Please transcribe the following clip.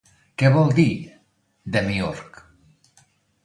Què vol dir "demiürg"?